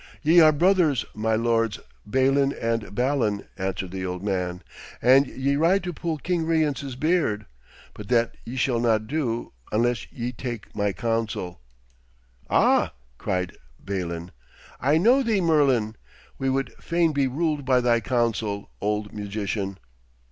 'Ye are brothers, my Lords Balin and Balan,' answered the old man. 'And ye ride to pull King Rience's beard. But that ye shall not do, unless ye take my counsel.' 'Ah!' cried Balin, 'I know thee, Merlin! We would fain be ruled by thy counsel, old magician.'